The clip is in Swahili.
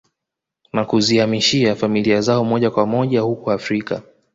Na kuziamishia familia zao moja kwa moja huku Afrika